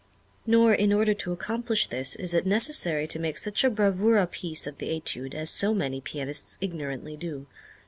Nor, in order to accomplish this, is it necessary to make such a bravura piece of the Étude as so many pianists ignorantly do.